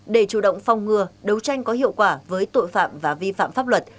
để chủ động phong ngừa đấu tranh có hiệu quả với tội phạm và vi phạm pháp luật